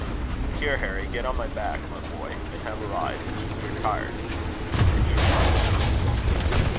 "Here, Harry, get on my back, my boy, and have a ride. You're tired." And Hugh knelt down.